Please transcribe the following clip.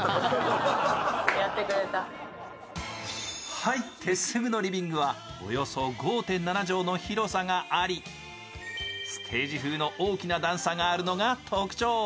入ってすぐのリビングはおよそ５．７畳の広さがありステージ風の大きな段差があるのが特徴。